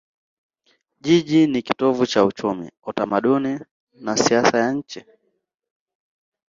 Jiji ni kitovu cha uchumi, utamaduni na siasa ya nchi.